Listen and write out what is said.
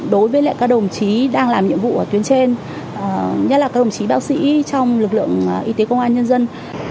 đối với các đồng chí đang làm nhiệm vụ ở tuyến trên nhất là các đồng chí bác sĩ trong lực lượng y tế công an nhân dân